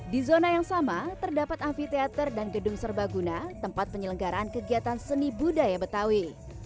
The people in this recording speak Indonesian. di zona yang sama terdapat amfiteater dan gedung serbaguna tempat penyelenggaraan kegiatan seni budaya betawi